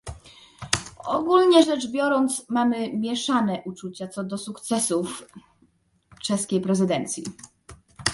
Ogólnie rzecz biorąc, mamy mieszane odczucia co do sukcesów czeskiej prezydencji